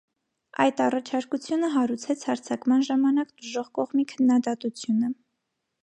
Այդ առաջարկությունը հարուցեց հարձակման ժամանակ տուժող կողմի քննադատությունը։